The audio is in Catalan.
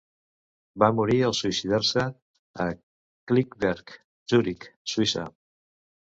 Va morir al suïcidar-se a Kilchberg, Zuric, Suïssa.